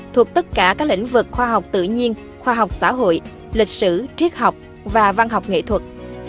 thuộc tất cả các lĩnh vực khoa học tự nhiên khoa học xã hội lịch sử triết học và văn học nghệ thuật